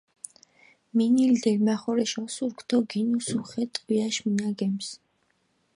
მინილჷ დელმახორეშ ოსურქ დო გინუსუ ხე ტყვიაშ მინაგემს.